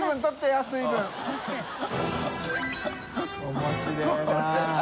面白いな。